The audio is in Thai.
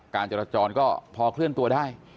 การจราจรก็พอเคลื่อนตัวได้